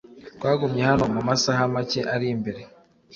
twagumye hano mumasaha make ari imbere